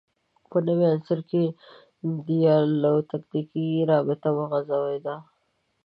په نوي عصر کې دیالکتیکي رابطه وغځېده